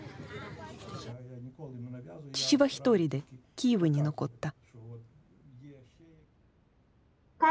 父は１人でキーウに残った。